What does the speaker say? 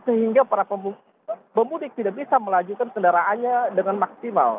sehingga para pemudik tidak bisa melajukan kendaraannya dengan maksimal